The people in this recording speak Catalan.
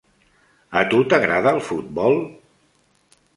A tu t'agrada el futbol?